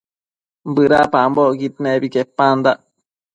bëdapambocquid nebi quepandac